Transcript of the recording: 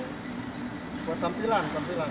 buat tampilan tampilan